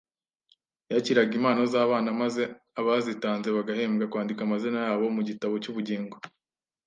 Yakiraga impano z'abana maze abazitanze bagahembwa kwandika amazina yabo mu gitabo cy'ubugingo.